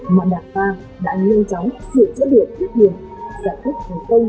đảng nâng tróng sự trở biệt tiết kiệm giải thích hành tây nhiều nhiệm vụ xây dựng và phát triển kinh tế quan trọng